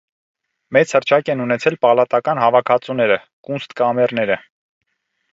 Մեծ հռչակ են ունեցել պալատական հավաքածուները՝ կունստկամերները։